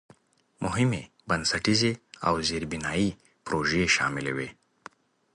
مهمې بنسټیزې او زېربنایي پروژې شاملې وې.